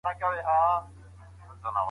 صابر او رښتيني خلک به چيرته وي؟